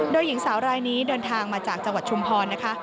โดยหญิงสาวรายนี้เดินทางมาจากจังหวัดชุมพรนะคะ